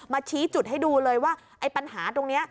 ชี้จุดให้ดูเลยว่าไอ้ปัญหาตรงนี้